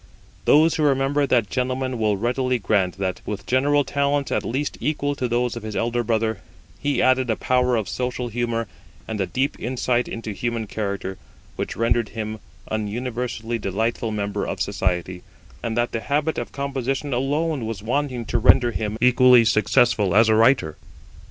Those who remember that gentleman will readily grant that, with general talents at least equal to those of his elder brother, he added a power of social humour and a deep insight into human character which rendered him an universally delightful member of society, and that the habit of composition alone was wanting to render him equally successful as a writer.